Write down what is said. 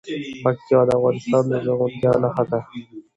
پکتیا د افغانستان د زرغونتیا نښه ده.